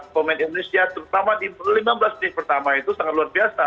pemain indonesia terutama di lima belas menit pertama itu sangat luar biasa